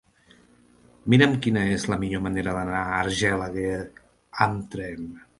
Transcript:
Mira'm quina és la millor manera d'anar a Argelaguer amb tren.